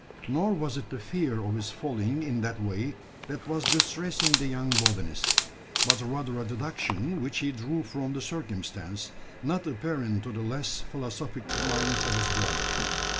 Nor was it the fear of his falling in that way that was distressing the young botanist; but rather a deduction which he drew from the circumstance, not apparent to the less philosophic mind of his brother.